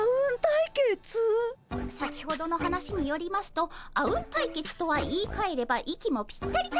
先ほどの話によりますとあうん対決とは言いかえれば息もぴったり対決のこと。